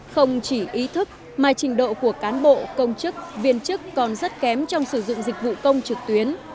không chỉ ý thức mà trình độ của cán bộ công chức viên chức còn rất kém trong sử dụng dịch vụ công trực tuyến